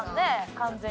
完全に。